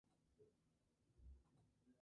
La prueba se lleva a cabo en el ambulatorio.